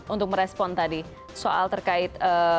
untuk merespon tadi soal terkait